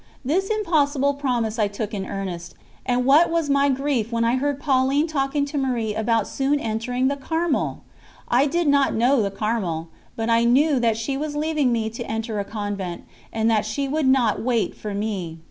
This impossible promise I took in earnest, and what was my grief when I heard Pauline talking to Marie about soon entering the Carmel! I did not know the Carmel; but I knew that she was leaving me to enter a convent, and that she would not wait for me.